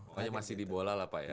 pokoknya masih di bola lah pak ya